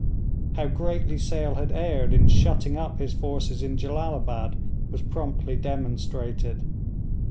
How greatly Sale had erred in shutting up his force in Jellalabad was promptly demonstrated.